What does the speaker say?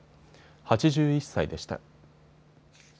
８１歳でした。